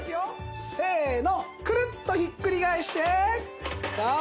せーのクルッとひっくり返してさあ